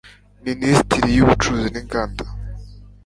minisitiri w ubucuruzi inganda